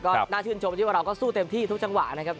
ก็น่าชื่นชมที่ว่าเราก็สู้เต็มที่ทุกจังหวะนะครับ